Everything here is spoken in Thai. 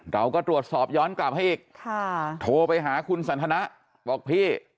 เราก็ตรวจสอบย้อนกลับให้อีกค่ะโทรไปหาคุณสันทนะบอกพี่